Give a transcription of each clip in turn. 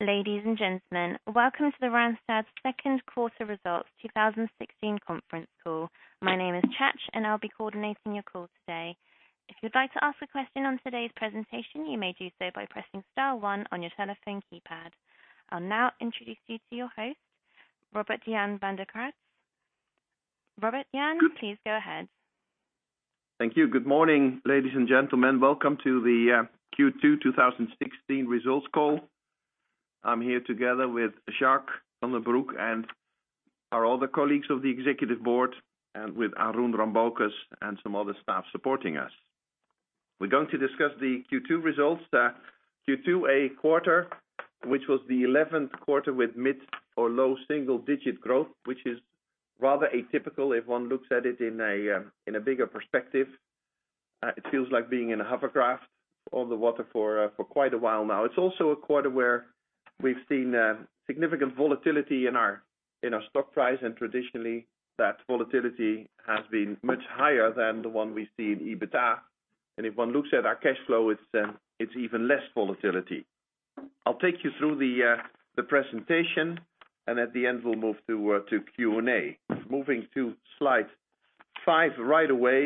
Ladies and gentlemen, welcome to the Randstad’s second quarter results 2016 conference call. My name is Chach, and I’ll be coordinating your call today. If you’d like to ask a question on today’s presentation, you may do so by pressing star one on your telephone keypad. I’ll now introduce you to your host, Robert-Jan van de Kraats. Robert-Jan, please go ahead. Thank you. Good morning, ladies and gentlemen. Welcome to the Q2 2016 results call. I’m here together with Jacques van den Broek and our other colleagues of the executive board and with Arun Rambocus and some other staff supporting us. We’re going to discuss the Q2 results. Q2, a quarter which was the 11th quarter with mid or low single-digit growth, which is rather atypical if one looks at it in a bigger perspective. It feels like being in a hovercraft on the water for quite a while now. It’s also a quarter where we’ve seen significant volatility in our stock price, and traditionally, that volatility has been much higher than the one we see in EBITDA. If one looks at our cash flow, it’s even less volatility. I’ll take you through the presentation, and at the end, we’ll move to Q&A. Moving to slide five right away,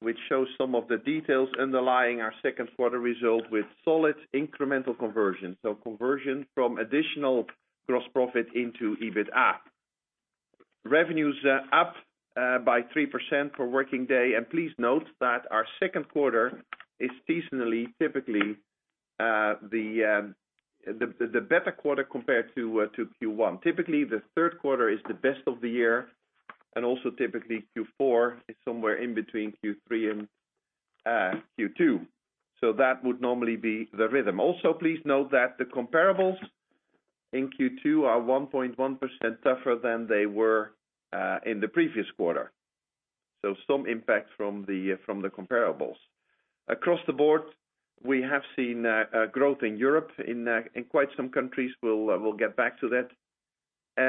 which shows some of the details underlying our second quarter result with solid incremental conversion. Conversion from additional gross profit into EBITDA. Revenues are up by 3% for working day. Please note that our second quarter is seasonally typically the better quarter compared to Q1. Typically, the third quarter is the best of the year, and also typically Q4 is somewhere in between Q3 and Q2. That would normally be the rhythm. Also, please note that the comparables in Q2 are 1.1% tougher than they were in the previous quarter. Some impact from the comparables. Across the board, we have seen growth in Europe in quite some countries. We’ll get back to that.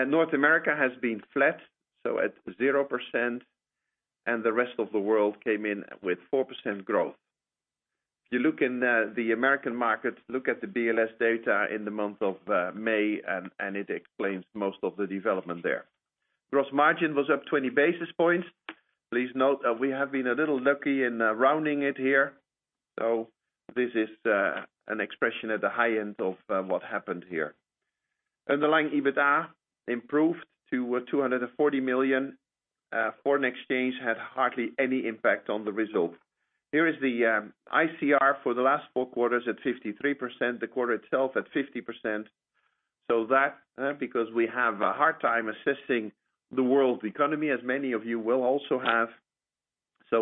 North America has been flat, so at 0%, and the rest of the world came in with 4% growth. If you look in the American market, look at the BLS data in the month of May, it explains most of the development there. Gross margin was up 20 basis points. Please note that we have been a little lucky in rounding it here. This is an expression at the high end of what happened here. Underlying EBITDA improved to 240 million. Foreign exchange had hardly any impact on the result. Here is the ICR for the last four quarters at 53%, the quarter itself at 50%. That, because we have a hard time assessing the world economy, as many of you will also have.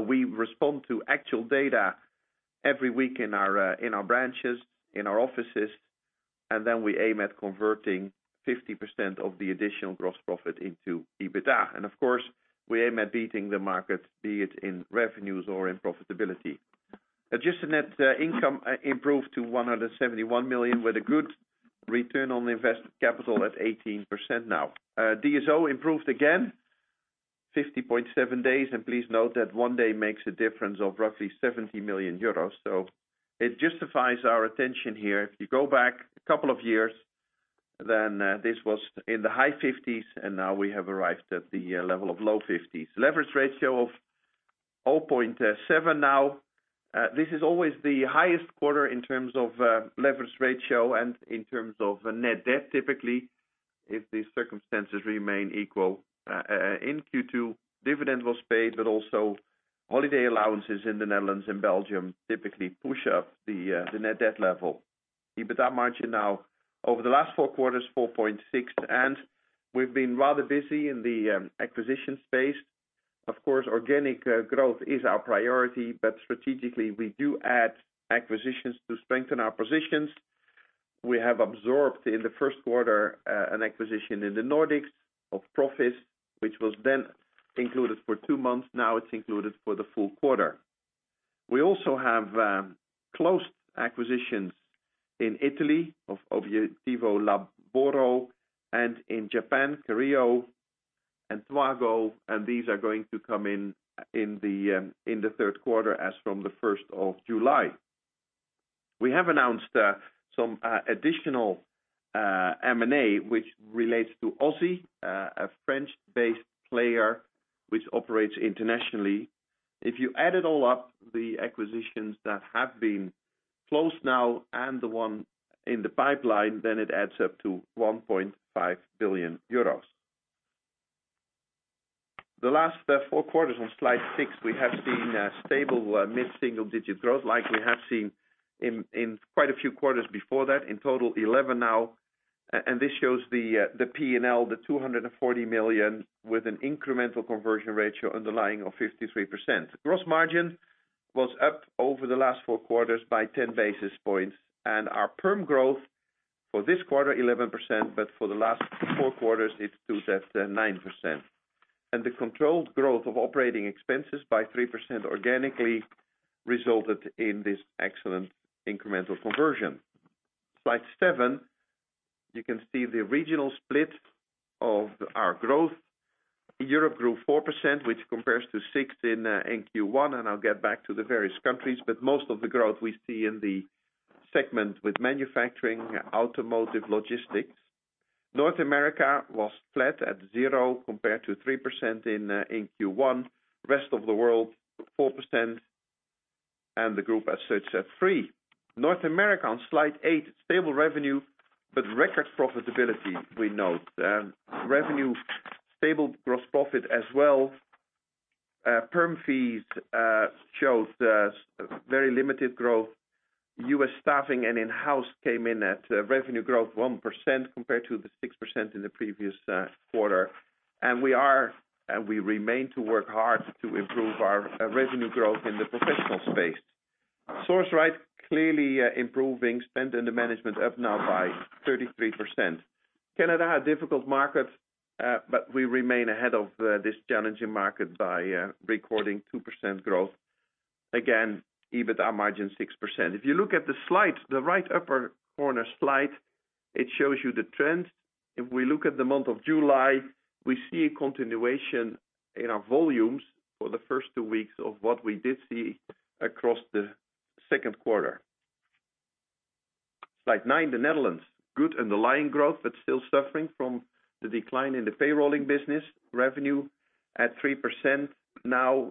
We respond to actual data every week in our branches, in our offices, and then we aim at converting 50% of the additional gross profit into EBITDA. Of course, we aim at beating the market, be it in revenues or in profitability. Adjusted net income improved to 171 million with a good return on invested capital at 18% now. DSO improved again, 50.7 days. Please note that 1 day makes a difference of roughly 70 million euros. It justifies our attention here. If you go back a couple of years, this was in the high 50s, and now we have arrived at the level of low 50s. Leverage ratio of 0.7 now. This is always the highest quarter in terms of leverage ratio and in terms of net debt, typically, if the circumstances remain equal. In Q2, dividend was paid, but also holiday allowances in the Netherlands and Belgium typically push up the net debt level. EBITDA margin now over the last 4 quarters, 4.6%. We've been rather busy in the acquisition space. Of course, organic growth is our priority, but strategically, we do add acquisitions to strengthen our positions. We have absorbed in the first quarter an acquisition in the Nordics of Proffice, which was then included for 2 months. Now it's included for the full quarter. We also have closed acquisitions in Italy of Obiettivo Lavoro and in Japan, Careo and twago, and these are going to come in the third quarter as from the 1st of July. We have announced some additional M&A which relates to Ausy, a French-based player which operates internationally. If you add it all up, the acquisitions that have been closed now and the one in the pipeline, it adds up to 1.5 billion euros. The last 4 quarters on slide 6, we have seen stable mid-single digit growth, like we have seen in quite a few quarters before that, in total 11 now. This shows the P&L, the 240 million with an incremental conversion ratio underlying of 53%. Gross margin was up over the last 4 quarters by 10 basis points, and our perm growth for this quarter 11%, but for the last 4 quarters, it's 2.9%. The controlled growth of operating expenses by 3% organically resulted in this excellent incremental conversion. Slide 7. You can see the regional split of our growth. Europe grew 4%, which compares to 6% in Q1, and I'll get back to the various countries, but most of the growth we see in the segment with manufacturing, automotive, logistics. North America was flat at 0 compared to 3% in Q1. Rest of the world, 4%, and the group as such at 3%. North America on slide 8, stable revenue, but record profitability, we note. Revenue, stable gross profit as well. Perm fees showed very limited growth. U.S. staffing and In-house came in at revenue growth 1% compared to the 6% in the previous quarter. We remain to work hard to improve our revenue growth in the professional space. Sourceright clearly improving spend under management up now by 33%. Canada, a difficult market, but we remain ahead of this challenging market by recording 2% growth. Again, EBITDA margin 6%. If you look at the slide, the right upper corner slide, it shows you the trend. If we look at the month of July, we see a continuation in our volumes for the first 2 weeks of what we did see across the second quarter. Slide 9, the Netherlands. Underlying growth, but still suffering from the decline in the payrolling business. Revenue at 3%. The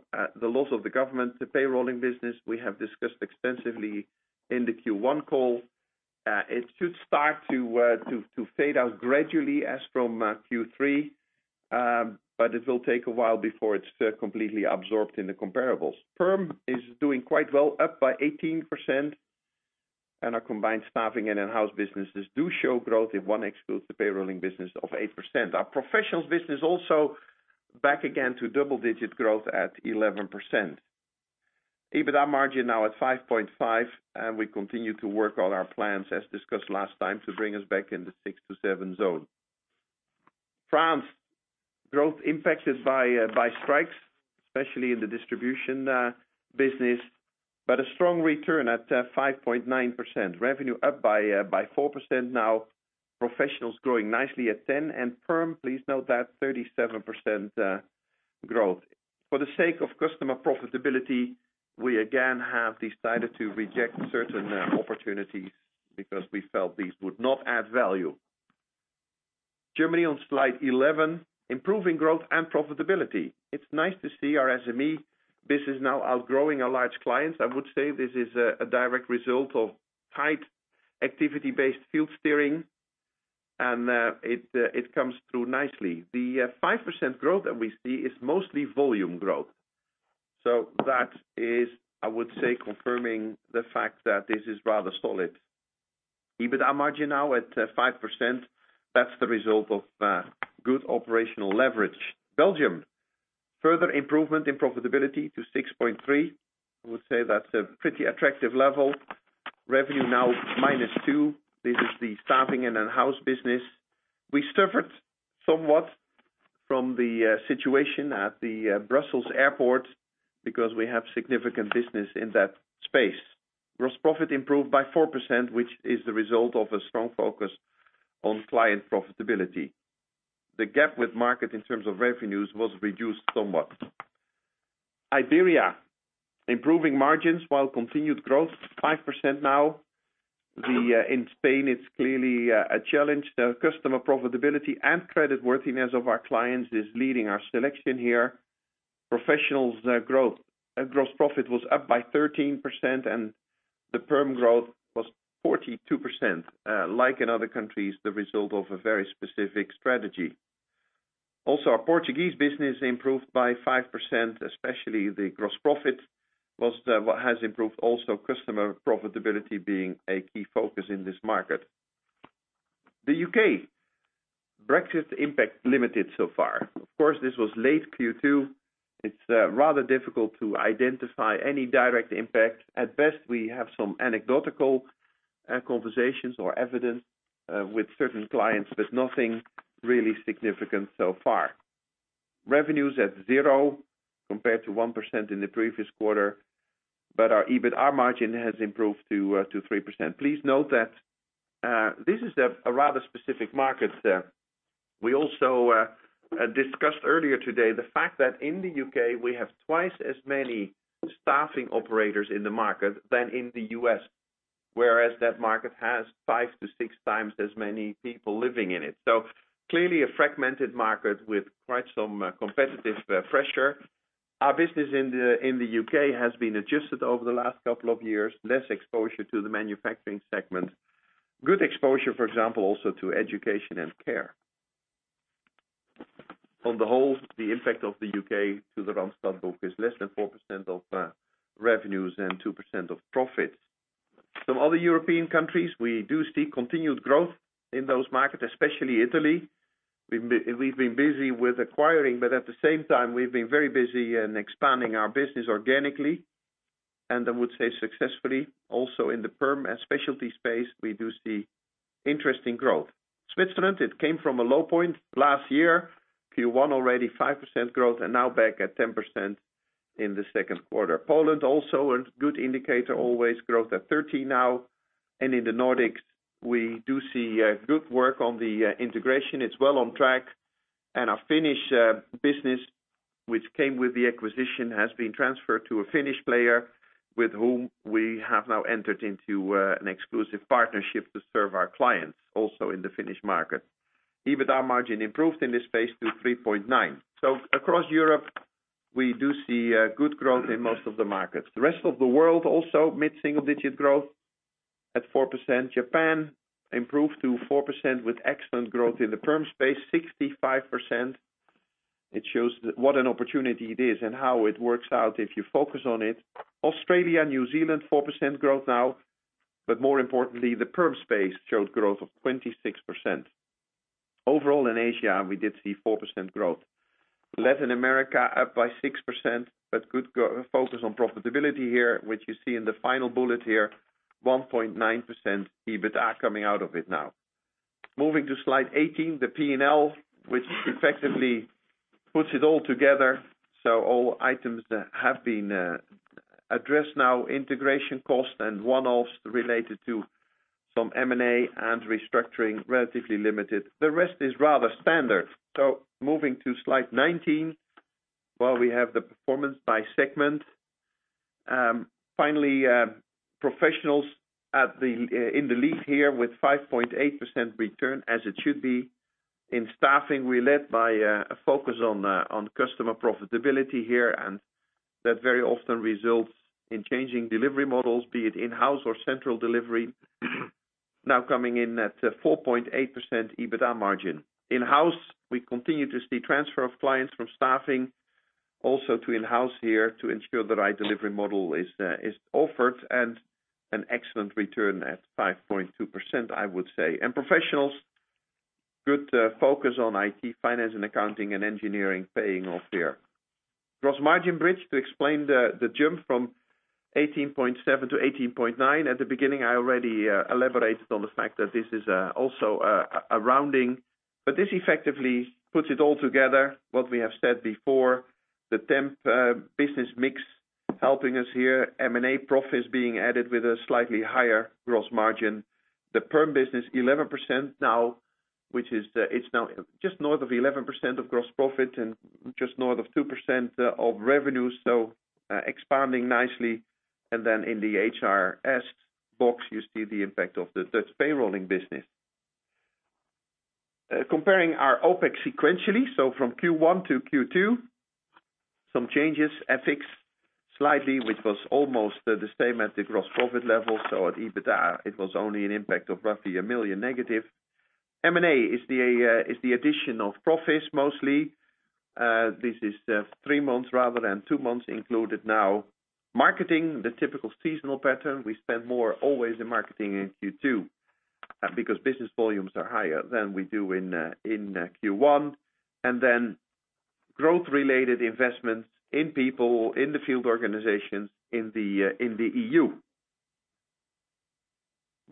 loss of the government, the payrolling business, we have discussed extensively in the Q1 call. It should start to fade out gradually as from Q3, but it will take a while before it's completely absorbed in the comparables. PERM is doing quite well, up by 18%, and our combined staffing and In-house Services do show growth if one excludes the payrolling business of 8%. Our professionals business also back again to double-digit growth at 11%. EBITDA margin now at 5.5%, and we continue to work on our plans as discussed last time to bring us back in the 6%-7% zone. France. Growth impacted by strikes, especially in the distribution business, but a strong return at 5.9%. Revenue up by 4% now. Professionals growing nicely at 10%, and PERM, please note that, 37% growth. For the sake of customer profitability, we again have decided to reject certain opportunities because we felt these would not add value. Germany on slide 11. Improving growth and profitability. It's nice to see our SME business now outgrowing our large clients. I would say this is a direct result of tight activity-based field steering, and it comes through nicely. The 5% growth that we see is mostly volume growth. That is, I would say, confirming the fact that this is rather solid. EBITDA margin now at 5%. That's the result of good operational leverage. Belgium. Further improvement in profitability to 6.3%. I would say that's a pretty attractive level. Revenue now minus 2%. This is the staffing and In-house Services. We suffered somewhat from the situation at the Brussels Airport because we have significant business in that space. Gross profit improved by 4%, which is the result of a strong focus on client profitability. The gap with market in terms of revenues was reduced somewhat. Iberia. Improving margins while continued growth, 5% now. In Spain, it's clearly a challenge. The customer profitability and credit worthiness of our clients is leading our selection here. Professionals growth. Gross profit was up by 13%, and the PERM growth was 42%. Like in other countries, the result of a very specific strategy. Also, our Portuguese business improved by 5%, especially the gross profit has improved, also customer profitability being a key focus in this market. The U.K. Brexit impact limited so far. Of course, this was late Q2. It's rather difficult to identify any direct impact. At best, we have some anecdotal conversations or evidence with certain clients, but nothing really significant so far. Revenues at 0 compared to 1% in the previous quarter, but our EBITDA margin has improved to 3%. Please note that this is a rather specific market. We also discussed earlier today the fact that in the U.K., we have twice as many staffing operators in the market than in the U.S., whereas that market has 5-6 times as many people living in it. Clearly, a fragmented market with quite some competitive pressure. Our business in the U.K. has been adjusted over the last couple of years, less exposure to the manufacturing segment. Good exposure, for example, also to education and care. On the whole, the impact of the U.K. to the Randstad book is less than 4% of revenues and 2% of profits. Some other European countries, we do see continued growth in those markets, especially Italy. We have been busy with acquiring, but at the same time, we have been very busy in expanding our business organically, and I would say successfully. Also in the perm and specialty space, we do see interesting growth. Switzerland, it came from a low point last year. Q1 already 5% growth, and now back at 10% in the second quarter. Poland also a good indicator always, growth at 13 now. In the Nordics, we do see good progress on the integration. It is well on track. Our Finnish business, which came with the acquisition, has been transferred to a Finnish player with whom we have now entered into an exclusive partnership to serve our clients also in the Finnish market. EBITDA margin improved in this space to 3.9%. Across Europe, we do see good growth in most of the markets. The rest of the world also mid-single-digit growth at 4%. Japan improved to 4% with excellent growth in the perm space, 65%. It shows what an opportunity it is and how it works out if you focus on it. Australia, New Zealand, 4% growth now. More importantly, the perm space showed growth of 26%. Overall, in Asia, we did see 4% growth. Latin America up by 6%, but good focus on profitability here, which you see in the final bullet here, 1.9% EBITDA coming out of it now. Moving to slide 18, the P&L, which effectively puts it all together. All items have been addressed now, integration costs and one-offs related to some M&A and restructuring, relatively limited. The rest is rather standard. Moving to slide 19, where we have the performance by segment. Finally, professionals in the lead here with 5.8% return as it should be. In staffing, we led by a focus on customer profitability here, and that very often results in changing delivery models, be it In-house or central delivery. Now coming in at 4.8% EBITDA margin. In-house, we continue to see transfer of clients from staffing also to In-house here to ensure the right delivery model is offered and an excellent return at 5.2%, I would say. Professionals, good focus on IT, finance and accounting and engineering paying off here. Gross margin bridge to explain the jump from 18.7% to 18.9%. At the beginning, I already elaborated on the fact that this is also a rounding, but this effectively puts it all together what we have said before. The temp business mix helping us here. M&A profit is being added with a slightly higher gross margin. The perm business 11% now, which is now just north of 11% of gross profit and just north of 2% of revenue. Expanding nicely in the HRS box, you see the impact of the Dutch payrolling business. Comparing our OpEx sequentially, from Q1 to Q2. Some changes, FX slightly, which was almost the same at the gross profit level. At EBITDA, it was only an impact of roughly 1 million negative. M&A is the addition of profits mostly. This is 3 months rather than 2 months included now. Marketing, the typical seasonal pattern. We spend more always in marketing in Q2 because business volumes are higher than we do in Q1. Growth-related investments in people, in the field organizations in the EU.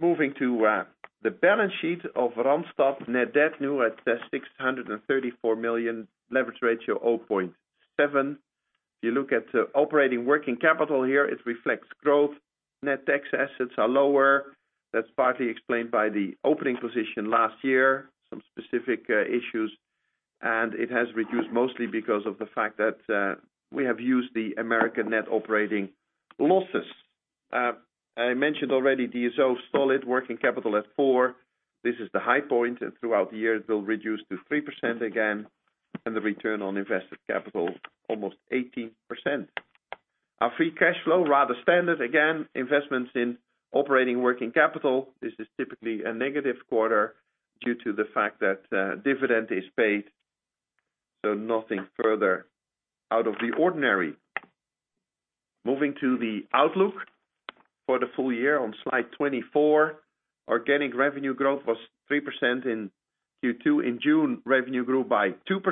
Moving to the balance sheet of Randstad. Net debt new at 634 million, leverage ratio 0.7. If you look at operating working capital here, it reflects growth. Net tax assets are lower. That's partly explained by the opening position last year, some specific issues. It has reduced mostly because of the fact that we have used the U.S. net operating losses. I mentioned already the solid working capital at 4%. This is the high point, and throughout the year, it will reduce to 3% again, and the return on invested capital, almost 18%. Our free cash flow, rather standard again. Investments in operating working capital. This is typically a negative quarter due to the fact that dividend is paid. Nothing further out of the ordinary. Moving to the outlook for the full year on slide 24. Organic revenue growth was 3% in Q2. In June, revenue grew by 2%,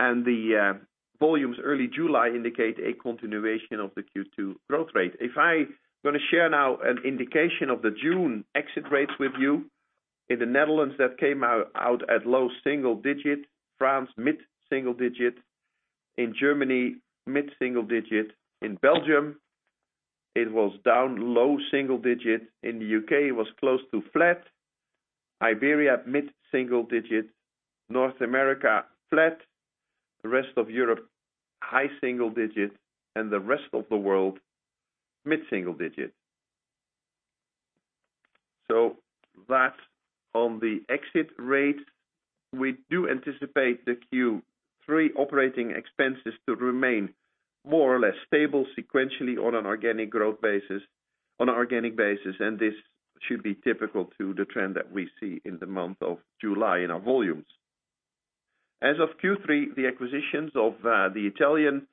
and the volumes early July indicate a continuation of the Q2 growth rate. If I going to share now an indication of the June exit rates with you. In the Netherlands, that came out at low single digits, France mid-single digits. In Germany, mid-single digits. In Belgium, it was down low single digits. In the U.K., it was close to flat. Iberia, mid-single digits. North America, flat. The rest of Europe, high single digits, and the rest of the world, mid-single digits. That on the exit rates, we do anticipate the Q3 operating expenses to remain more or less stable sequentially on an organic basis. This should be typical to the trend that we see in the month of July in our volumes. As of Q3, the acquisitions of the Italian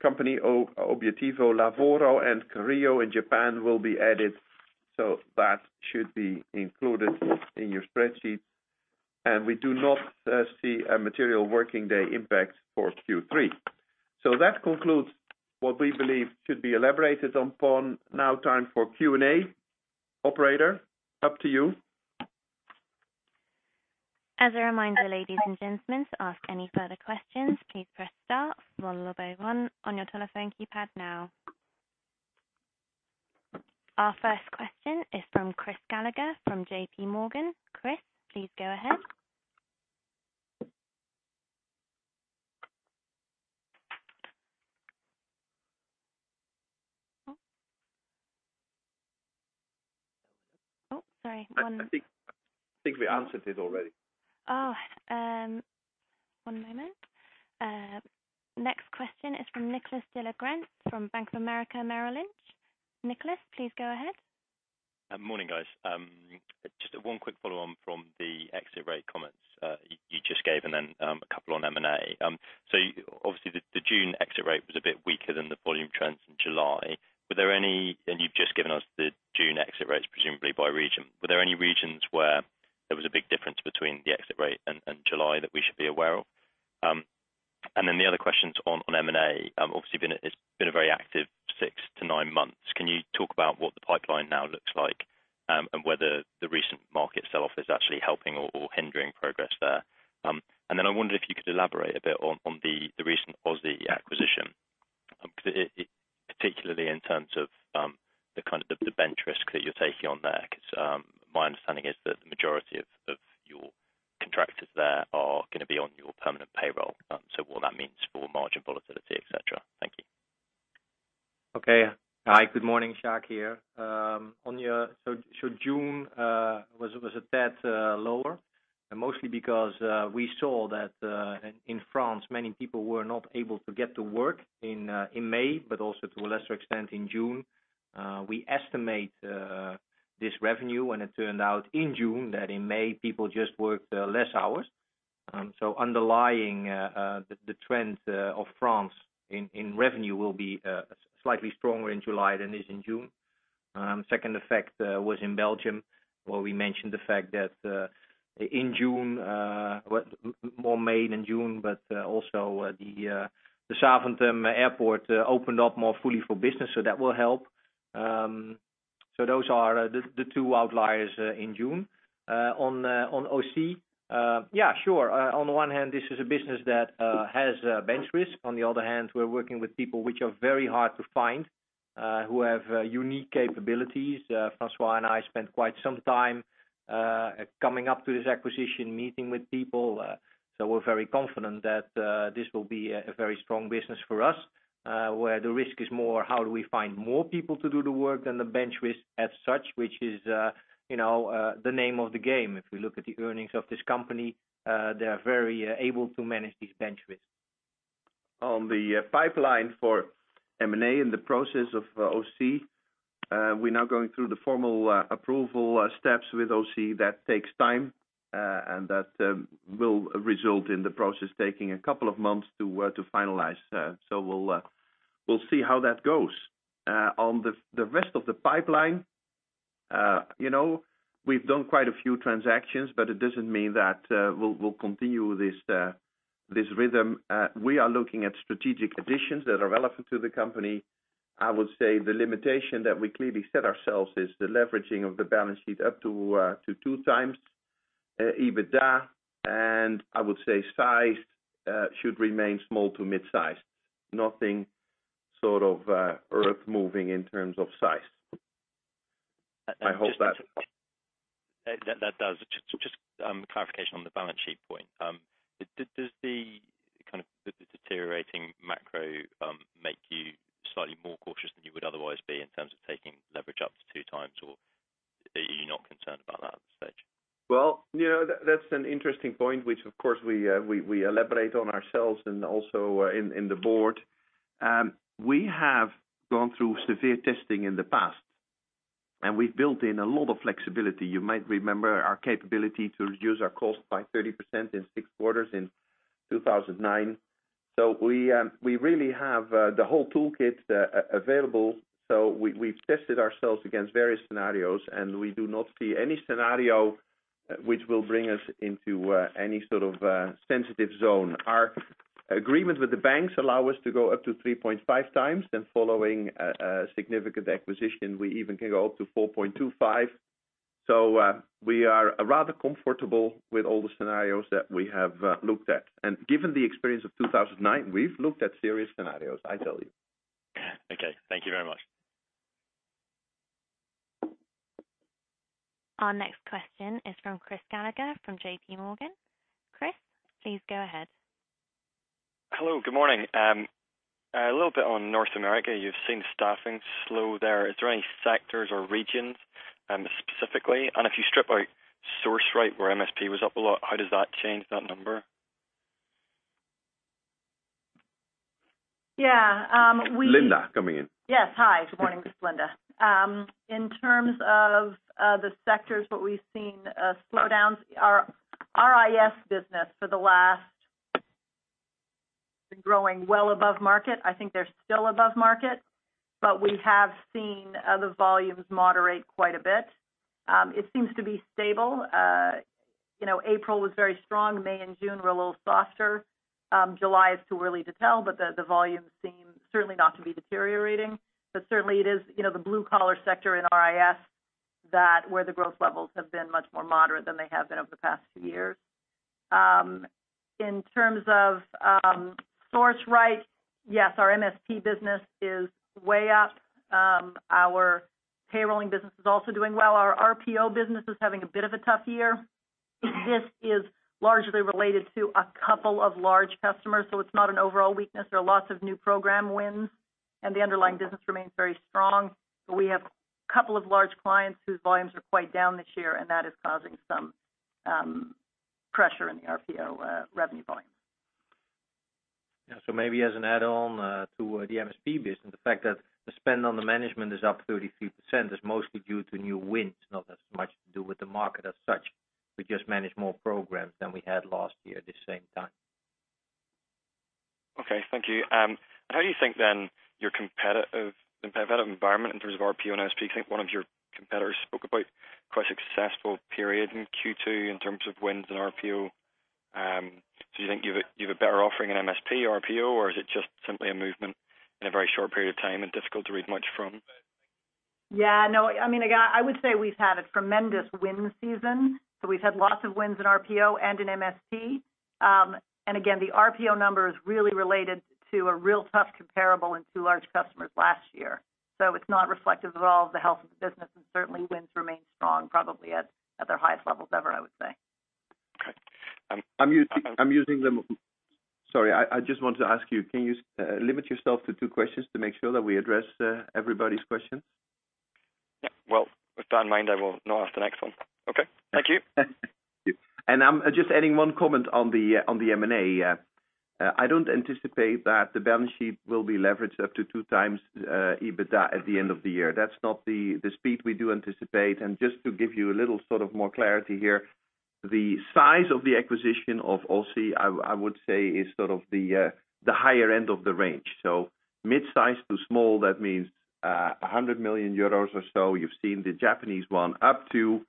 company, Obiettivo Lavoro, and Careo Group in Japan will be added. That should be included in your spreadsheet. We do not see a material working day impact for Q3. That concludes what we believe should be elaborated upon. Now time for Q&A. Operator, up to you. As a reminder, ladies and gentlemen, to ask any further questions, please press star followed by one on your telephone keypad now. Our first question is from Chris Gallagher from JP Morgan. Chris, please go ahead. I think we answered it already. One moment. Next question is from Nicholas de la Grense from Bank of America Merrill Lynch. Nicholas, please go ahead. Morning, guys. One quick follow-on from the exit rate comments you just gave and then a couple on M&A. Obviously the June exit rate was a bit weaker than the volume trends in July. You've just given us the June exit rates, presumably by region. Were there any regions where slightly stronger in July than it is in June. Second effect was in Belgium where we mentioned the fact that in June, more May than June, but also the Zaventem Airport opened up more fully for business so that will help. Those are the two outliers in June. On OC, yeah, sure. On the one hand this is a business that has bench risk. On the other hand, we're working with people which are very hard to find, who have unique capabilities. François and I spent quite some time coming up to this acquisition meeting with people. We're very confident that this will be a very strong business for us, where the risk is more how do we find more people to do the work than the bench risk as such, which is the name of the game. If we look at the earnings of this company, they are very able to manage these bench risks. On the pipeline for M&A and the process of OC, we're now going through the formal approval steps with OC. That takes time, and that will result in the process taking a couple of months to finalize. We'll see how that goes. On the rest of the pipeline, we've done quite a few transactions, but it doesn't mean that we'll continue this rhythm. We are looking at strategic additions that are relevant to the company. I would say the limitation that we clearly set ourselves is the leveraging of the balance sheet up to 2x EBITDA, and I would say size should remain small to mid-size. Nothing sort of earth moving in terms of size. That does. Just clarification on the balance sheet point. Does the kind of the deteriorating macro make you slightly more cautious than you would otherwise be in terms of taking leverage up to 2x, or are you not concerned about that at this stage? Well, that's an interesting point which of course we elaborate on ourselves and also in the board. We have gone through severe testing in the past, and we've built in a lot of flexibility. You might remember our capability to reduce our cost by 30% in six quarters in 2009. We really have the whole toolkit available. We've tested ourselves against various scenarios, and we do not see any scenario which will bring us into any sort of sensitive zone. Our agreement with the banks allow us to go up to 3.5 times and following a significant acquisition, we even can go up to 4.25. We are rather comfortable with all the scenarios that we have looked at. Given the experience of 2009, we've looked at serious scenarios, I tell you. Okay. Thank you very much. Our next question is from Chris Gallagher from JP Morgan. Chris, please go ahead. Hello. Good morning. A little bit on North America. You've seen staffing slow there. Is there any sectors or regions specifically? If you strip out Sourceright where MSP was up a lot, how does that change that number? Yeah. Linda coming in. Yes. Hi. Good morning. This is Linda. In terms of the sectors what we've seen slowdowns, our IS business growing well above market. I think they're still above market, we have seen the volumes moderate quite a bit. It seems to be stable. April was very strong. May and June were a little softer. July is too early to tell, the volume seems certainly not to be deteriorating. Certainly it is the blue-collar sector in RIS where the growth levels have been much more moderate than they have been over the past few years. In terms of Sourceright, yes, our MSP business is way up. Our payrolling business is also doing well. Our RPO business is having a bit of a tough year. This is largely related to a couple of large customers, so it's not an overall weakness. There are lots of new program wins, and the underlying business remains very strong. We have a couple of large clients whose volumes are quite down this year, and that is causing some pressure in the RPO revenue volumes. Maybe as an add-on to the MSP business, the fact that the spend on the management is up 33% is mostly due to new wins, not as much to do with the market as such. We just managed more programs than we had last year at the same time. Thank you. How do you think your competitive environment in terms of RPO and MSP, you think one of your competitors spoke about quite a successful period in Q2 in terms of wins in RPO. Do you think you have a better offering in MSP or RPO, or is it just simply a movement in a very short period of time and difficult to read much from? I would say we've had a tremendous win season. We've had lots of wins in RPO and in MSP. Again, the RPO number is really related to a real tough comparable in two large customers last year. It's not reflective at all of the health of the business, and certainly wins remain strong, probably at their highest levels ever, I would say. Okay. Sorry, I just want to ask you, can you limit yourself to two questions to make sure that we address everybody's questions? Well, with that in mind, I will not ask the next one. Okay. Thank you. I'm just adding one comment on the M&A. I don't anticipate that the balance sheet will be leveraged up to two times EBITDA at the end of the year. That's not the speed we do anticipate. Just to give you a little sort of more clarity here, the size of the acquisition of Ausy, I would say, is sort of the higher end of the range. So mid-size to small, that means 100 million euros or so. You've seen the Japanese one up to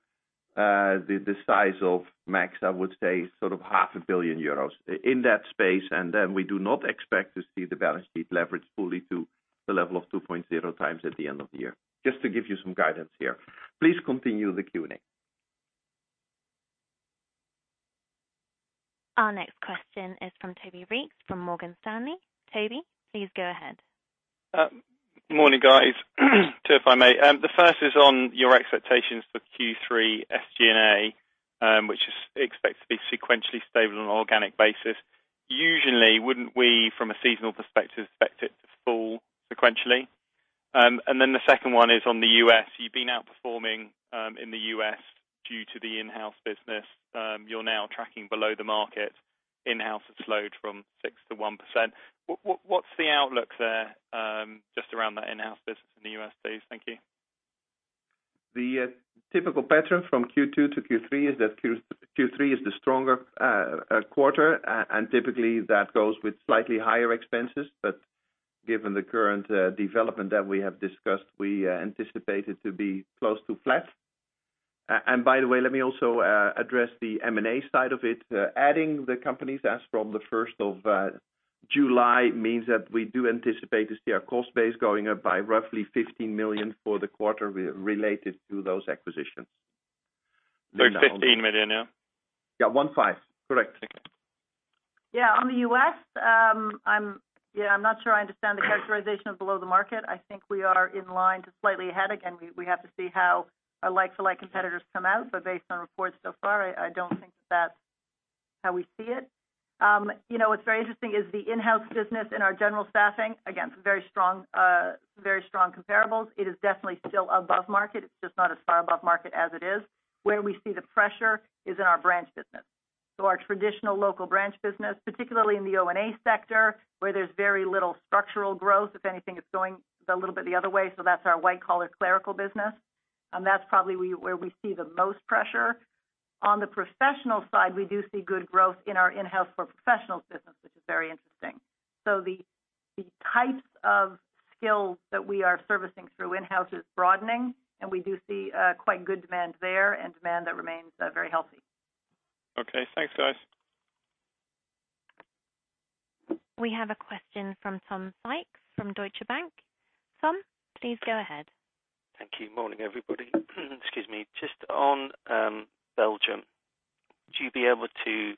the size of max, I would say, sort of half a billion euros. In that space, and then we do not expect to see the balance sheet leverage fully to the level of 2.0 times at the end of the year. Just to give you some guidance here. Please continue the Q&A. Our next question is from Toby Reeks from Morgan Stanley. Toby, please go ahead. Morning, guys. Two, if I may. The first is on your expectations for Q3 SG&A, which is expected to be sequentially stable on an organic basis. Usually, wouldn't we, from a seasonal perspective, expect it to fall sequentially? The second one is on the U.S. You've been outperforming in the U.S. due to the In-house Services. You're now tracking below the market. In-house Services has slowed from 6% to 1%. What's the outlook there, just around that In-house Services in the U.S., please? Thank you. The typical pattern from Q2 to Q3 is that Q3 is the stronger quarter, and typically that goes with slightly higher expenses. Given the current development that we have discussed, we anticipate it to be close to flat. By the way, let me also address the M&A side of it. Adding the companies as from the 1st of July means that we do anticipate to see our cost base going up by roughly 15 million for the quarter related to those acquisitions. Sorry, 15 million, yeah? Yeah, 15. Correct. Okay. On the U.S., I'm not sure I understand the characterization of below the market. I think we are in line to slightly ahead. Again, we have to see how our like for like competitors come out. Based on reports so far, I don't think that that's how we see it. What's very interesting is the In-house Services business and our general staffing, again, some very strong comparables. It is definitely still above market. It's just not as far above market as it is. Where we see the pressure is in our branch business. Our traditional local branch business, particularly in the O&A sector, where there's very little structural growth. If anything, it's going a little bit the other way. That's our white-collar clerical business. That's probably where we see the most pressure. On the professional side, we do see good growth in our In-house for professionals business, which is very interesting. The types of skills that we are servicing through In-house is broadening, and we do see quite good demand there and demand that remains very healthy. Okay. Thanks, guys. We have a question from Tom Sykes from Deutsche Bank. Tom, please go ahead. Thank you. Morning, everybody. Excuse me. Just on Belgium, would you be able to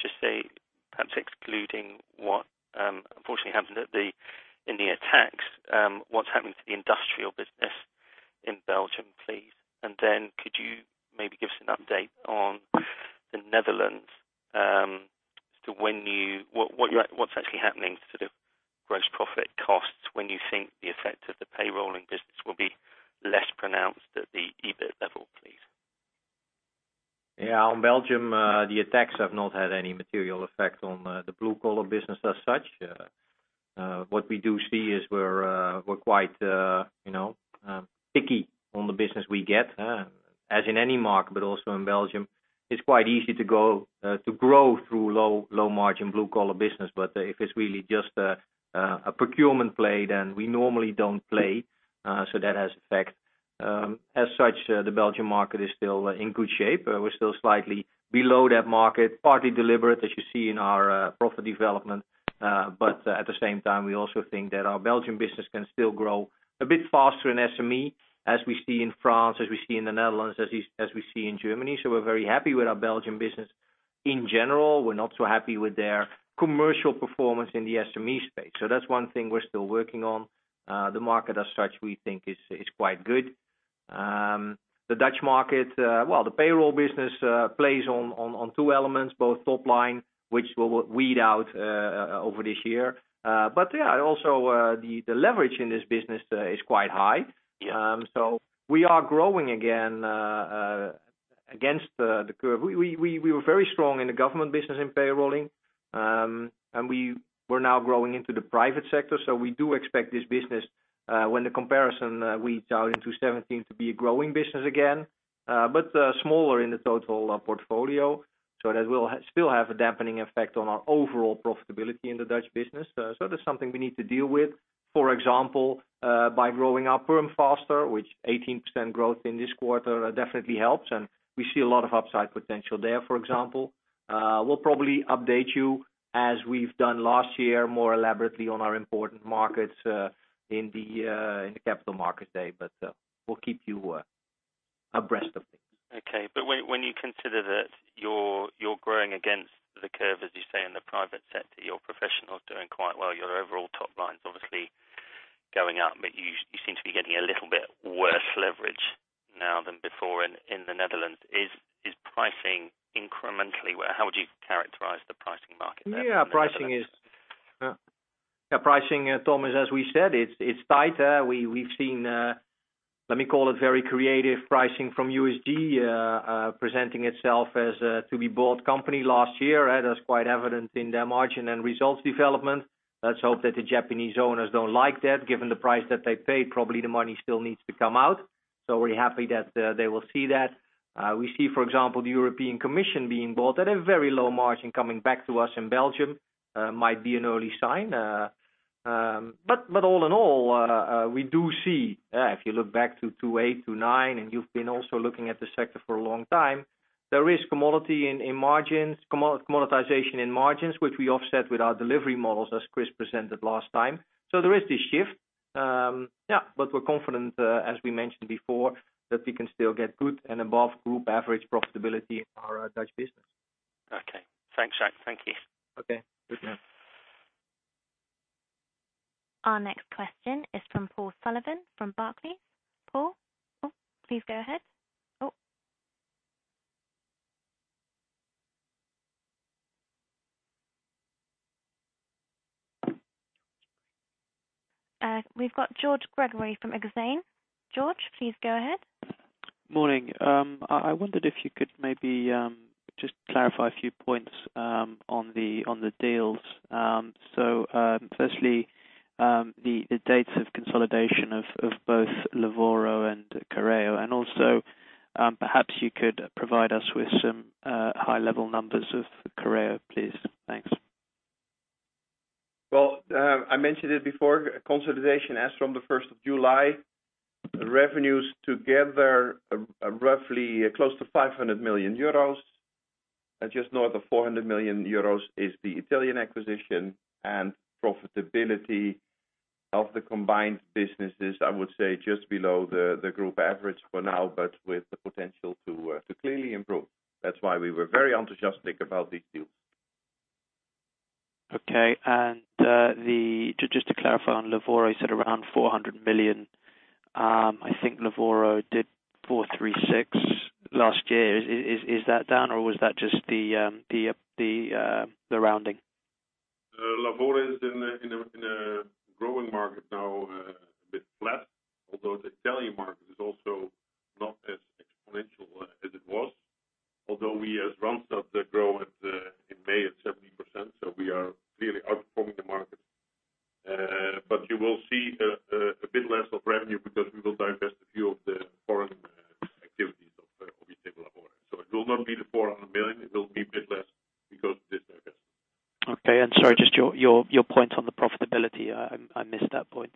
just say, perhaps excluding what unfortunately happened in the attacks, what's happening to the industrial business in Belgium, please? Could you maybe give us an update on the Netherlands, what's actually happening to the gross profit costs when you think the effect of the payrolling business will be less pronounced at the EBIT level, please? Yeah. On Belgium, the attacks have not had any material effect on the blue-collar business as such. What we do see is we're quite picky on the business we get. As in any market, but also in Belgium, it's quite easy to grow through low-margin blue-collar business. If it's really just a procurement play, then we normally don't play. That has effect. As such, the Belgian market is still in good shape. We're still slightly below that market, partly deliberate, as you see in our profit development. At the same time, we also think that our Belgian business can still grow a bit faster in SME, as we see in France, as we see in the Netherlands, as we see in Germany. We're very happy with our Belgian business in general. We're not so happy with their commercial performance in the SME space. That's one thing we're still working on. The market, as such, we think is quite good. The Dutch market, well, the payroll business plays on two elements, both top line, which we'll weed out over this year. Yeah, also the leverage in this business is quite high. Yeah. We are growing again against the curve. We were very strong in the government business in payrolling, and we're now growing into the private sector. We do expect this business, when the comparison weeds out in 2017, to be a growing business again but smaller in the total portfolio. That will still have a dampening effect on our overall profitability in the Dutch business. That's something we need to deal with. For example, by growing our PERM faster, which 18% growth in this quarter definitely helps, and we see a lot of upside potential there, for example. We'll probably update you, as we've done last year, more elaborately on our important markets in the Capital Markets Day. We'll keep you abreast of things. Okay. When you consider that you're growing against the curve, as you say, in the private sector, your professional is doing quite well. Your overall top line's obviously going up. You seem to be getting a little bit worse leverage now than before in the Netherlands. Is pricing incrementally? How would you characterize the pricing market there? Yeah. Pricing, Tom Sykes, as we said, it's tighter. We've seen, let me call it very creative pricing from USG presenting itself as a to-be-bought company last year. That's quite evident in their margin and results development. Let's hope that the Japanese owners don't like that. Given the price that they paid, probably the money still needs to come out. We're happy that they will see that. We see, for example, the European Commission being bought at a very low margin coming back to us in Belgium. Might be an early sign. All in all, we do see, if you look back to 2008, 2009, and you've been also looking at the sector for a long time, there is commoditization in margins, which we offset with our delivery models, as Chris Gallagher presented last time. There is this shift. Yeah. We're confident, as we mentioned before, that we can still get good and above-group average profitability in our Dutch business. Okay. Thanks, Jacques van den Broek. Thank you. Okay. Good night. Our next question is from Paul Sullivan from Barclays. Paul, please go ahead. Oh. We've got George Gregory from Exane. George, please go ahead. Morning. I wondered if you could maybe just clarify a few points on the deals. Firstly, the dates of consolidation of both Lavoro and Careo. Also, perhaps you could provide us with some high-level numbers of Careo, please. Thanks. Well, I mentioned it before, consolidation as from the first of July. Revenues together are roughly close to 500 million euros. Just know that 400 million euros is the Italian acquisition. Profitability of the combined businesses, I would say just below the group average for now, but with the potential to clearly improve. That's why we were very enthusiastic about these deals. Okay. Just to clarify on Lavoro, you said around 400 million. I think Lavoro did 436 last year. Is that down, or was that just the rounding? Lavoro is in a growing market now, a bit flat. The Italian market is also not as exponential as it was. We as Randstad grow in May at 70%, so we are clearly outperforming the market. You will see a bit less of revenue because we will divest a few of the foreign activities of Lavoro. It will not be the 400 million, it will be a bit less because of this divestment. Okay. Sorry, just your point on the profitability. I missed that point.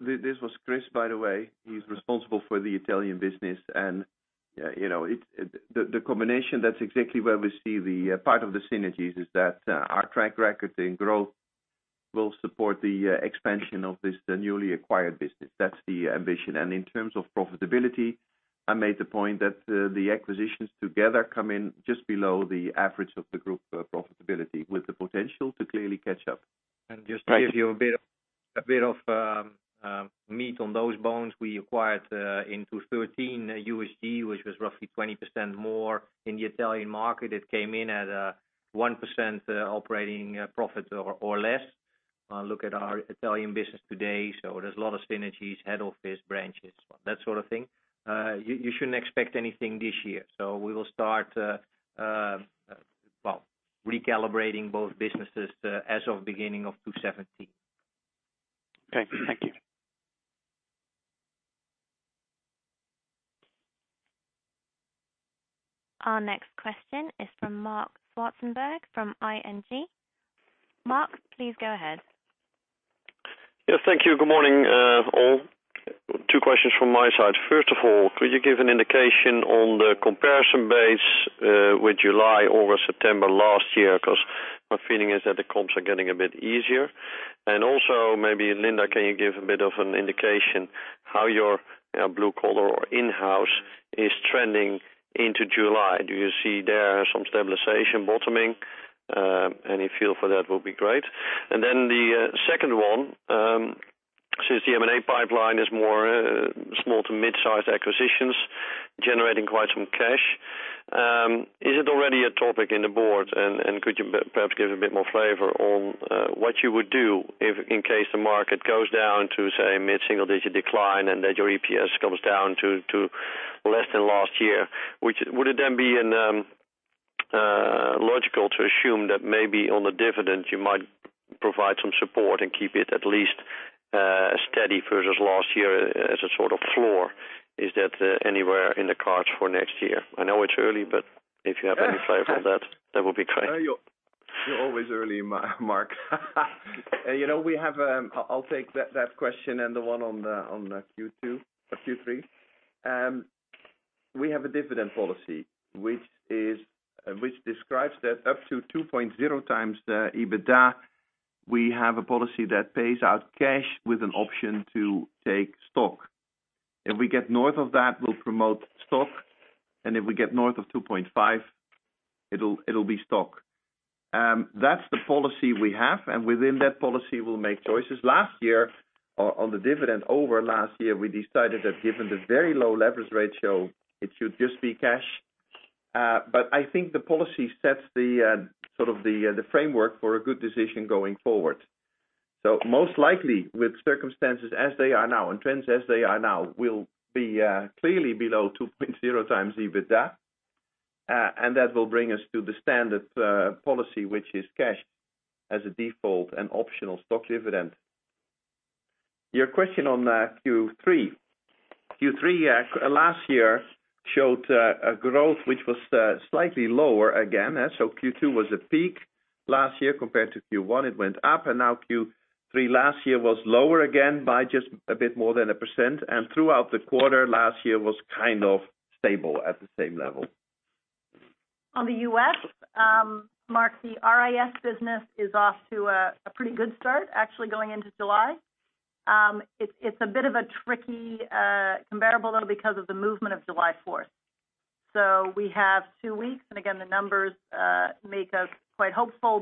This was Chris, by the way. He is responsible for the Italian business. The combination, that's exactly where we see the part of the synergies is that our track record in growth will support the expansion of this, the newly acquired business. That's the ambition. In terms of profitability, I made the point that the acquisitions together come in just below the average of the group profitability, with the potential to clearly catch up. Just to give you a bit of meat on those bones, we acquired in 2013, USG, which was roughly 20% more in the Italian market. It came in at 1% operating profit or less. Look at our Italian business today. There's a lot of synergies, head office, branches, that sort of thing. You shouldn't expect anything this year. We will start recalibrating both businesses as of beginning of 2017. Okay. Thank you. Our next question is from Marc Zwartsenburg from ING. Marc, please go ahead. Yeah, thank you. Good morning, all. 2 questions from my side. First of all, could you give an indication on the comparison base with July, August, September last year? Because my feeling is that the comps are getting a bit easier. Also maybe Linda, can you give a bit of an indication how your blue collar or In-house is trending into July? Do you see there some stabilization bottoming? Any feel for that will be great. Then the second one, since the M&A pipeline is more small to mid-size acquisitions, generating quite some cash, is it already a topic in the board? Could you perhaps give a bit more flavor on what you would do if in case the market goes down to, say, mid-single-digit decline and that your EPS comes down to less than last year. Would it then be logical to assume that maybe on the dividend you might provide some support and keep it at least steady versus last year as a sort of floor? Is that anywhere in the cards for next year? I know it's early, but if you have any flavor on that would be great. You're always early, Marc. I'll take that question and the one on Q2 or Q3. We have a dividend policy which describes that up to 2.0 times EBITDA, we have a policy that pays out cash with an option to take stock. If we get north of that, we'll promote stock, and if we get north of 2.5, it'll be stock. That's the policy we have, and within that policy, we'll make choices. Last year on the dividend, over last year, we decided that given the very low leverage ratio, it should just be cash. I think the policy sets the framework for a good decision going forward. Most likely, with circumstances as they are now and trends as they are now, we'll be clearly below 2.0 times EBITDA. That will bring us to the standard policy, which is cash as a default and optional stock dividend. Your question on Q3. Q3 last year showed a growth, which was slightly lower again. Q2 was a peak last year compared to Q1 it went up, and now Q3 last year was lower again by just a bit more than 1%, and throughout the quarter, last year was kind of stable at the same level. On the U.S., Marc, the RIS business is off to a pretty good start actually going into July. It's a bit of a tricky comparable though, because of the movement of July 4th. We have two weeks, and again, the numbers make us quite hopeful.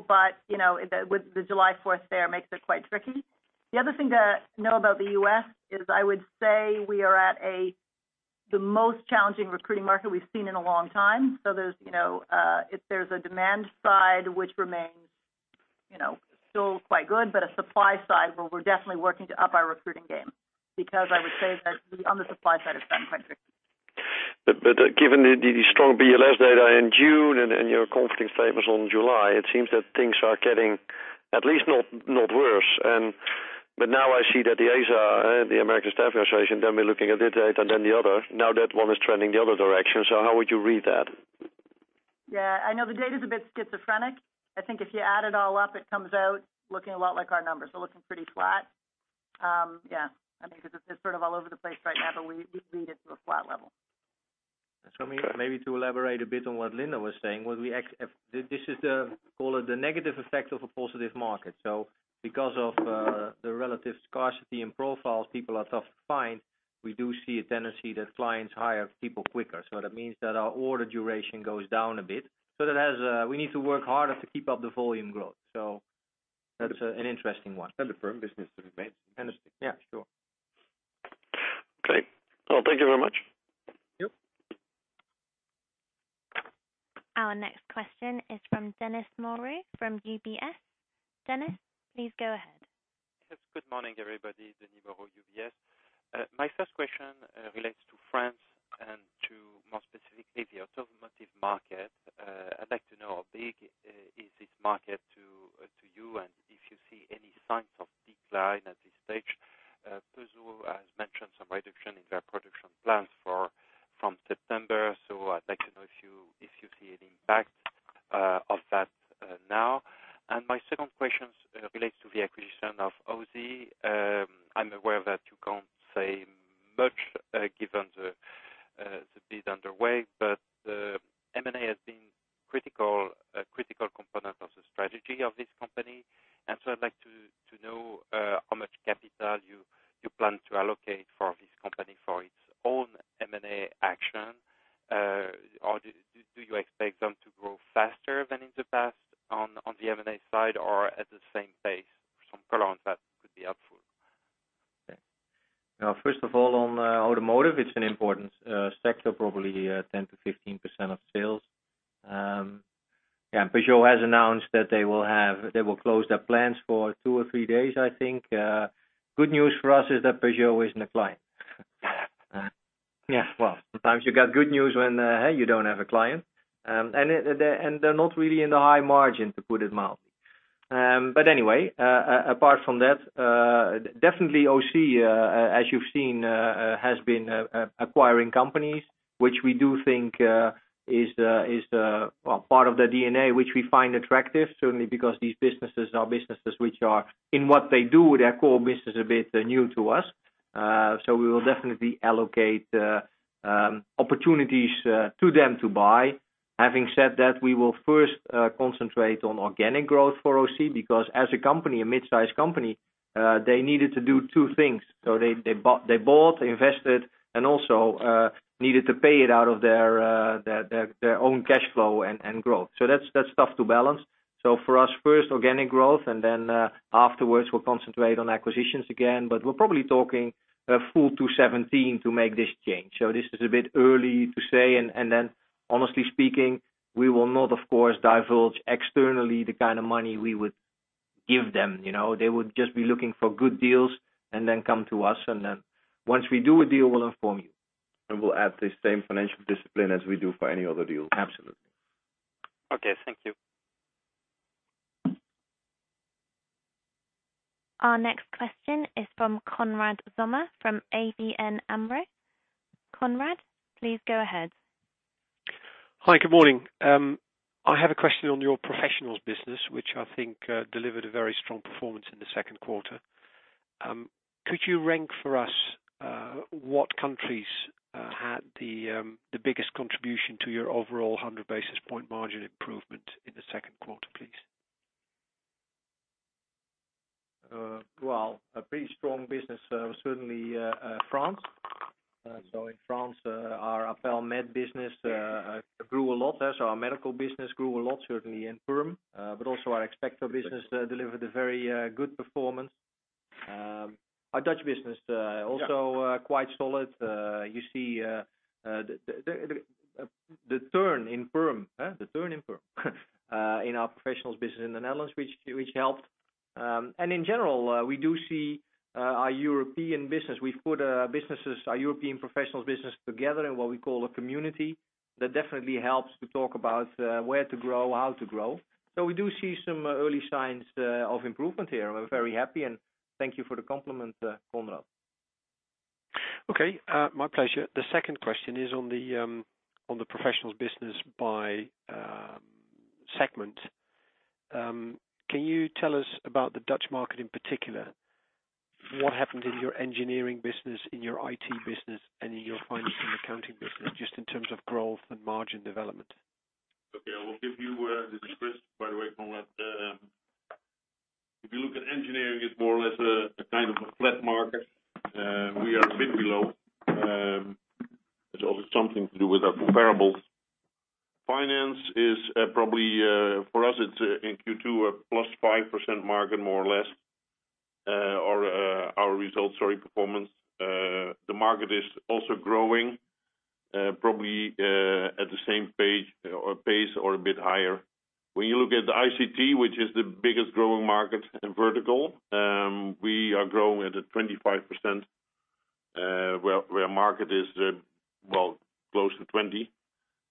With the July 4th there, makes it quite tricky. The other thing to know about the U.S. is I would say we are at the most challenging recruiting market we've seen in a long time. There's a demand side, which remains still quite good, but a supply side where we're definitely working to up our recruiting game because I would say that on the supply side, it's been quite tricky. Given the strong BLS data in June and your comforting statements on July, it seems that things are getting at least not worse. I see that the ASA, the American Staffing Association, we're looking at their data, the other. That one is trending the other direction. How would you read that? Yeah, I know the data's a bit schizophrenic. I think if you add it all up, it comes out looking a lot like our numbers. Looking pretty flat. Yeah. I mean, because it's sort of all over the place right now, but we read it to a flat level. Maybe to elaborate a bit on what Linda was saying, this is the, call it the negative effect of a positive market. Because of the relative scarcity in profiles, people are tough to find. We do see a tendency that clients hire people quicker. That means that our order duration goes down a bit. We need to work harder to keep up the volume growth. That's an interesting one. The firm business remains fantastic. Yeah, sure. Okay. Well, thank you very much. Yep. Our next question is from Denis Moreau from UBS. Denis, please go ahead. Good morning, everybody. Denis Moreau, UBS. My first question relates to France and to, more specifically, the automotive market. I'd like to know how big is this market to you and if you see any signs of decline at this stage. Peugeot has mentioned some reduction in their production plans from September. I'd like to know if you see an impact of that now. My second question relates to the acquisition of Ausy. I'm aware that you can't say much given the bid underway, but M&A has been a critical component of the strategy of this company. I'd like to know how much capital you plan to allocate for this company for its own M&A action. Do you expect them to grow faster than in the past on the M&A side or at the same pace? Some color on that would be helpful. Okay. First of all, on automotive, it's an important sector, probably 10%-15% of sales. Peugeot has announced that they will close their plants for two or three days, I think. Good news for us is that Peugeot isn't a client. Sometimes you got good news when, hey, you don't have a client. They're not really in the high margin, to put it mildly. Apart from that, definitely Ausy, as you've seen, has been acquiring companies, which we do think is the part of the DNA which we find attractive, certainly because these businesses are businesses which are, in what they do, their core business, a bit new to us. We will definitely allocate opportunities to them to buy. Having said that, we will first concentrate on organic growth for OC, because as a company, a mid-size company, they needed to do two things. They bought, invested, and also needed to pay it out of their own cash flow and growth. That's tough to balance. For us, first organic growth, afterwards, we'll concentrate on acquisitions again. We're probably talking full 2017 to make this change. This is a bit early to say. Honestly speaking, we will not, of course, divulge externally the kind of money we would give them. They would just be looking for good deals and then come to us, and then once we do a deal, we'll inform you. We'll add the same financial discipline as we do for any other deal. Absolutely. Okay. Thank you. Our next question is from Konrad Zomer, from ABN AMRO. Konrad, please go ahead. Hi, good morning. I have a question on your professionals business, which I think delivered a very strong performance in the second quarter. Could you rank for us what countries had the biggest contribution to your overall 100 basis point margin improvement in the second quarter, please? Well, a pretty strong business, certainly France. In France, our Appel Médical business grew a lot. Our medical business grew a lot, certainly in PERM. Also our Expectra business delivered a very good performance. Our Dutch business, also quite solid. You see the turn in PERM in our professionals business in the Netherlands, which helped. In general, we do see our European business. We put our European professionals business together in what we call a community that definitely helps to talk about where to grow, how to grow. We do see some early signs of improvement here. We're very happy, and thank you for the compliment, Konrad. Okay. My pleasure. The second question is on the professionals business by segment. Can you tell us about the Dutch market in particular? What happened in your engineering business, in your IT business, and in your finance and accounting business, just in terms of growth and margin development? Okay. This is Chris, by the way, Konrad. You look at engineering, it's more or less a kind of a flat market. We are a bit below. It's always something to do with our comparables. Finance is probably, for us, it's in Q2, a plus 5% margin, more or less, our results or performance. The market is also growing, probably at the same pace or a bit higher. You look at the ICT, which is the biggest growing market in vertical, we are growing at a 25%, where market is, well, close to 20.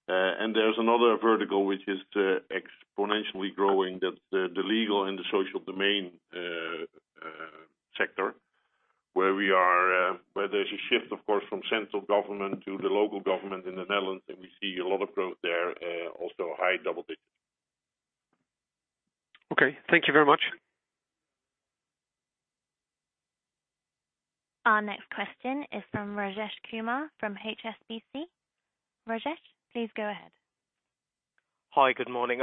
There's another vertical, which is exponentially growing. That's the legal and the social domain sector, where there's a shift, of course, from central government to the local government in the Netherlands, and we see a lot of growth there, also high double digits. Okay. Thank you very much. Our next question is from Rajesh Kumar from HSBC. Rajesh, please go ahead. Hi. Good morning.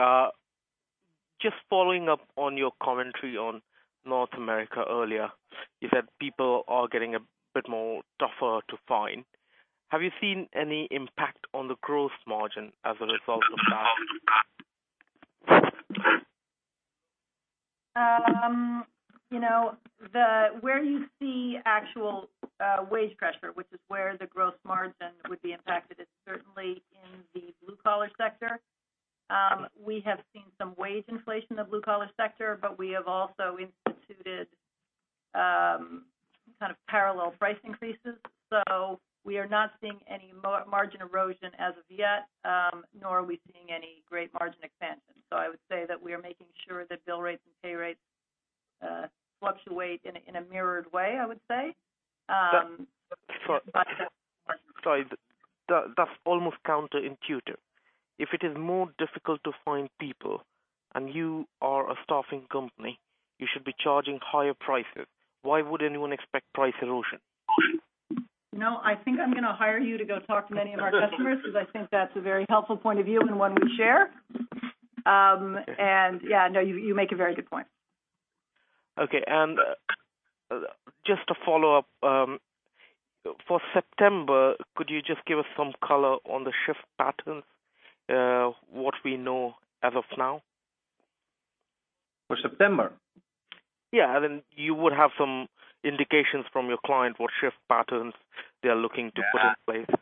Just following up on your commentary on North America earlier. You said people are getting a bit more tougher to find. Have you seen any impact on the growth margin as a result of that? Where you see actual wage pressure, which is where the growth margin would be impacted, is certainly in the blue-collar sector. We have seen some wage inflation in the blue-collar sector, we have also instituted kind of parallel price increases. We are not seeing any margin erosion as of yet, nor are we seeing any great margin expansion. I would say that we are making sure that bill rates and pay rates fluctuate in a mirrored way, I would say. Sorry. That's almost counterintuitive. If it is more difficult to find people and you are a staffing company, you should be charging higher prices. Why would anyone expect price erosion? I think I'm going to hire you to go talk to many of our customers, because I think that's a very helpful point of view and one we share. Yeah, you make a very good point. Okay. Just to follow up, for September, could you just give us some color on the shift patterns? What we know as of now? For September? Yeah. You would have some indications from your client what shift patterns they are looking to put in place.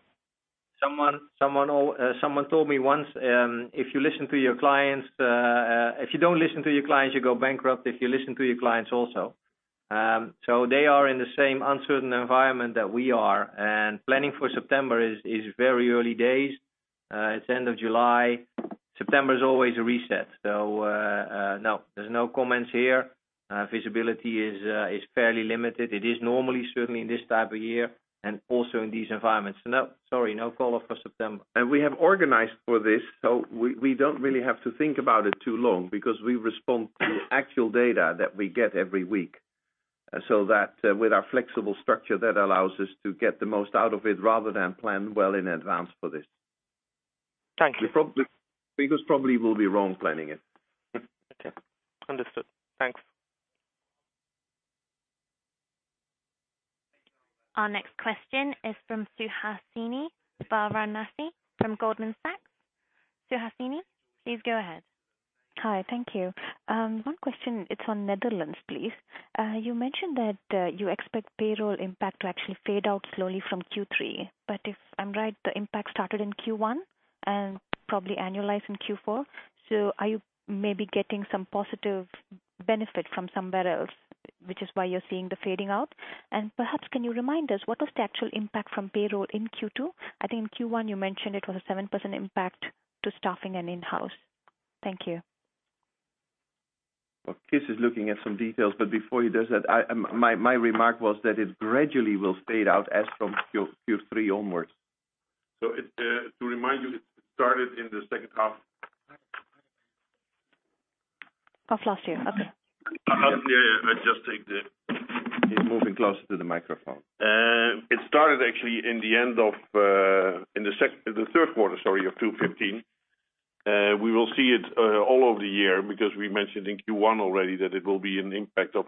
Someone told me once, if you don't listen to your clients, you go bankrupt. If you listen to your clients also. They are in the same uncertain environment that we are, and planning for September is very early days. It's the end of July. September is always a reset. No, there's no comments here. Visibility is fairly limited. It is normally certainly this time of year and also in these environments. No, sorry. No call for September. We have organized for this, so we don't really have to think about it too long because we respond to the actual data that we get every week. That with our flexible structure, that allows us to get the most out of it rather than plan well in advance for this. Thank you. Because probably we'll be wrong planning it. Okay. Understood. Thanks. Our next question is from Suhasini Varanasi from Goldman Sachs. Suhasini, please go ahead. Hi. Thank you. One question. It's on Netherlands, please. You mentioned that you expect payroll impact to actually fade out slowly from Q3. If I'm right, the impact started in Q1 and probably annualized in Q4. Are you maybe getting some positive benefit from somewhere else, which is why you're seeing the fading out? Perhaps can you remind us what was the actual impact from payroll in Q2? I think in Q1 you mentioned it was a 7% impact to staffing and in-house. Thank you. Kees is looking at some details, but before he does that, my remark was that it gradually will fade out as from Q3 onwards. To remind you, it started in the second half. Of last year. Okay. Yeah. I'll just take the He's moving closer to the microphone. It started actually in the third quarter of 2015. We will see it all of the year because we mentioned in Q1 already that it will be an impact of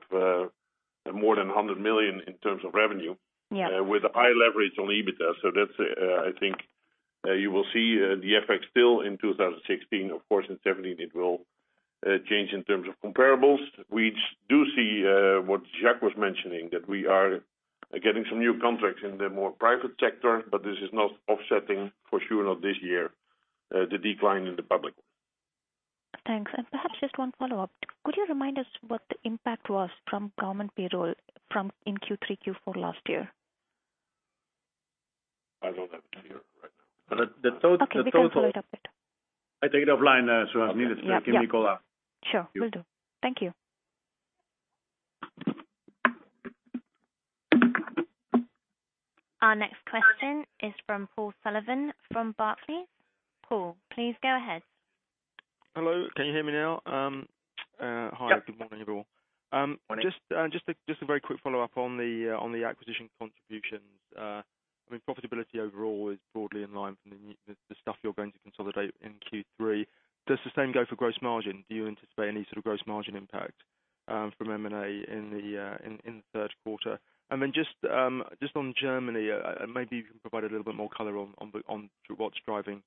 more than 100 million in terms of revenue. Yeah. With high leverage on EBITDA. That's, I think, you will see the effect still in 2016. Of course, in 2017 it will change in terms of comparables. We do see what Jacques was mentioning, that we are getting some new contracts in the more private sector, this is not offsetting, for sure not this year, the decline in the public. Thanks. Perhaps just one follow-up. Could you remind us what the impact was from government payroll in Q3, Q4 last year? I don't have it here right now. The total Okay. We can follow it up later. I take it offline, Suhasini. Yeah. Give me a call. Sure. Will do. Thank you. Our next question is from Paul Sullivan from Barclays. Paul, please go ahead. Hello, can you hear me now? Hi. Yes. Good morning, everyone. Morning. Just a very quick follow-up on the acquisition contributions. Profitability overall is broadly in line from the stuff you're going to consolidate in Q3. Does the same go for gross margin? Do you anticipate any sort of gross margin impact from M&A in the third quarter? Then just on Germany, maybe you can provide a little bit more color on what's driving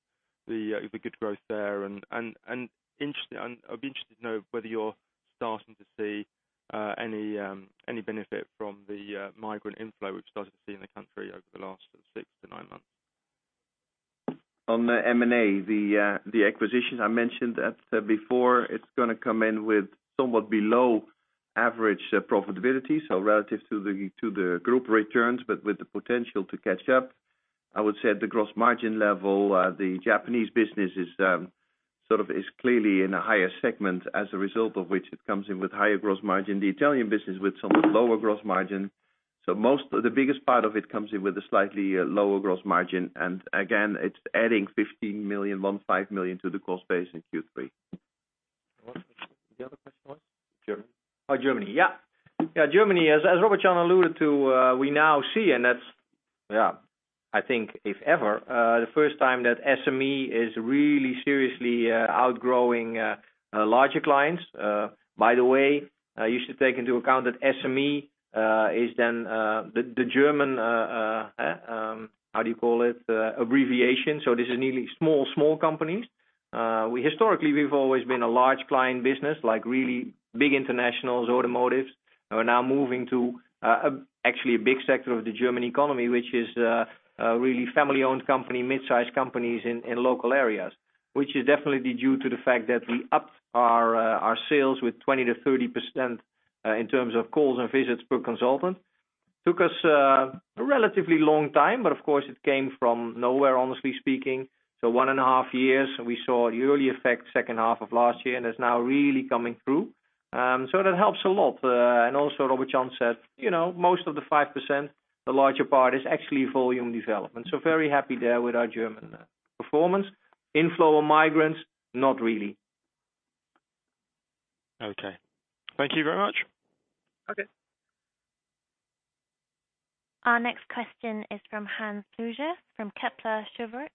the good growth there. I'd be interested to know whether you're starting to see any benefit from the migrant inflow we've started to see in the country over the last six to nine months. On the M&A, the acquisitions I mentioned before, it's going to come in with somewhat below average profitability, so relative to the group returns, with the potential to catch up. I would say at the gross margin level, the Japanese business is clearly in a higher segment as a result of which it comes in with higher gross margin. The Italian business with somewhat lower gross margin. The biggest part of it comes in with a slightly lower gross margin. Again, it's adding 15 million to the cost base in Q3. The other question was? Germany. Germany, as Robert-Jan alluded to, we now see, and that's, I think, if ever, the first time that SME is really seriously outgrowing larger clients. By the way, you should take into account that SME is the German How do you call it? Abbreviation. This is really small companies. Historically, we've always been a large client business, like really big internationals, automotives. We're now moving to actually a big sector of the German economy, which is really family-owned company, midsize companies in local areas, which is definitely due to the fact that we upped our sales with 20%-30% in terms of calls and visits per consultant. Took us a relatively long time, but of course it came from nowhere, honestly speaking. One and a half years, we saw the early effect second half of last year, and it's now really coming through. That helps a lot. Also Robert-Jan said, most of the 5%, the larger part is actually volume development. Very happy there with our German performance. Inflow of migrants, not really. Thank you very much. Okay. Our next question is from Hans Pluijgers from Kepler Cheuvreux.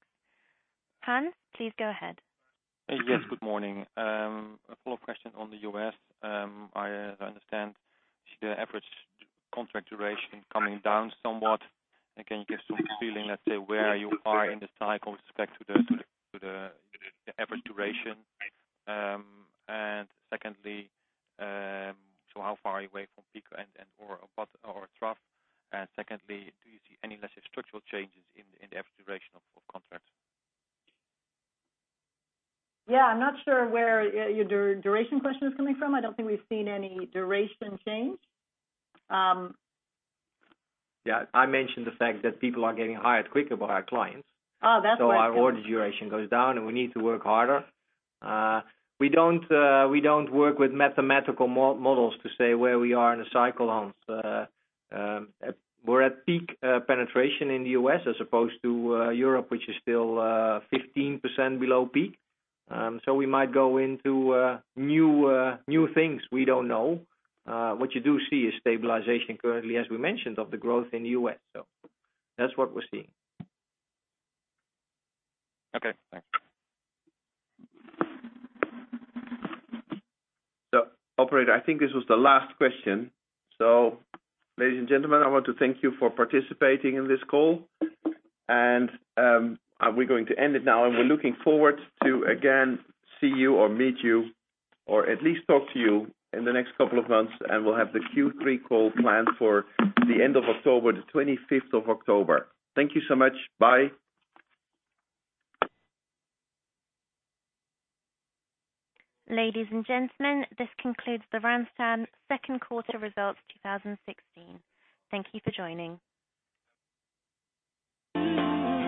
Hans, please go ahead. Yes, good morning. A follow-up question on the U.S. I understand the average contract duration coming down somewhat. Again, can you give some feeling, let's say, where you are in the cycle with respect to the average duration? Secondly, how far are you away from peak and/or trough? Secondly, do you see any massive structural changes in the average duration of contracts? Yeah, I'm not sure where your duration question is coming from. I don't think we've seen any duration change. Yeah. I mentioned the fact that people are getting hired quicker by our clients. Oh, that's where it's coming from. Our order duration goes down, and we need to work harder. We don't work with mathematical models to say where we are in the cycle. We're at peak penetration in the U.S. as opposed to Europe, which is still 15% below peak. We might go into new things. We don't know. What you do see is stabilization currently, as we mentioned, of the growth in the U.S. That's what we're seeing. Okay. Thanks. Operator, I think this was the last question. Ladies and gentlemen, I want to thank you for participating in this call. We're going to end it now, and we're looking forward to, again, see you or meet you, or at least talk to you in the next couple of months, and we'll have the Q3 call planned for the end of October, the 25th of October. Thank you so much. Bye. Ladies and gentlemen, this concludes the Randstad Second Quarter Results 2016. Thank you for joining.